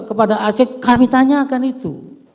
kepada aceh kami tanyakan itu